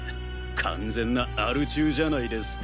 完全なアル中じゃないですか。